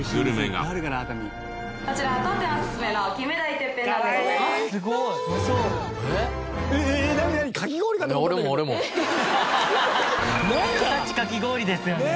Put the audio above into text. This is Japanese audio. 形かき氷ですよね。